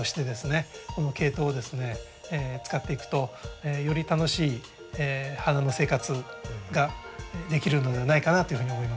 このケイトウを使っていくとより楽しい花の生活ができるのではないかなというふうに思いますね。